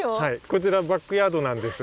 こちらバックヤードなんです。